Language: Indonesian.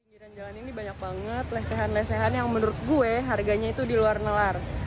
di jalan jalan ini banyak banget lesehan lesehan yang menurut gue harganya itu di luar nalar